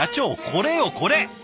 これよこれ。